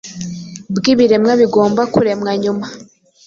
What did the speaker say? bwibiremwa bigomba kuremwa, nyuma